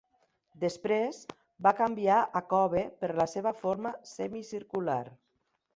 Després, va canviar a Cove per la seva forma semicircular.